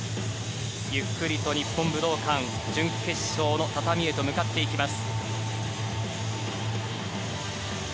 ゆっくりと日本武道館、準決勝の畳へと向かっていきます。